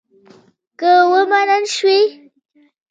که ومنل شوې.